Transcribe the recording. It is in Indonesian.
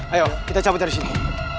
ayo kita cabut dari sini